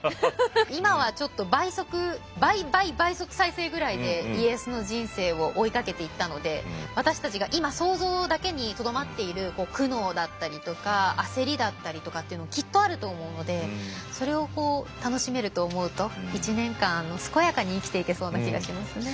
今はちょっと倍速倍倍倍速再生ぐらいで家康の人生を追いかけていったので私たちが今想像だけにとどまっている苦悩だったりとか焦りだったりとかっていうのもきっとあると思うのでそれをこう楽しめると思うと１年間健やかに生きていけそうな気がしますね。